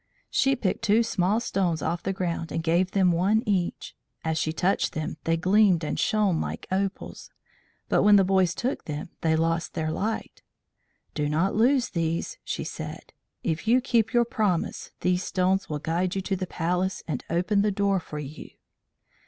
She picked two small stones off the ground and gave them one each. As she touched them they gleamed and shone like opals; but when the boys took them they lost their light. "Do not lose these," she said. "If you keep your promise these stones will guide you to the Palace and open the door for you."